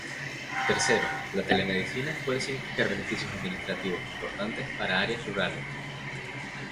Tercero, la telemedicina puede significar beneficios administrativos importantes para áreas rurales.